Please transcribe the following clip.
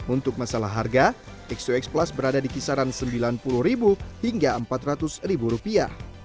untuk masalah harga x dua x plus berada di kisaran sembilan puluh hingga empat ratus rupiah